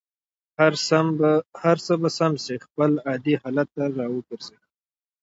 هر څه به سم دم خپل عادي حالت ته را وګرځي.